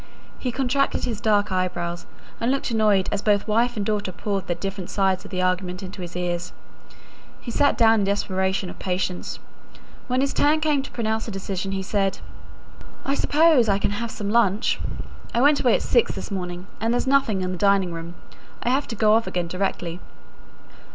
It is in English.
He contracted his dark eyebrows, and looked annoyed as both wife and daughter poured their different sides of the argument into his ears. He sat down in desperation of patience. When his turn came to pronounce a decision, he said, "I suppose I can have some lunch? I went away at six this morning, and there's nothing in the dining room. I have to go off again directly."